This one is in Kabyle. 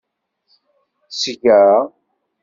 Seg-a.